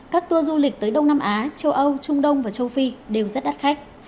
các tour du lịch tới đông nam á châu âu trung đông và châu phi đều rất đắt khách